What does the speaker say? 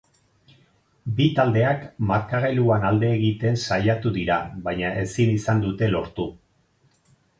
Bi taldeak markagailuan alde egiten saiatu dira, baina ezin izan dute lortu.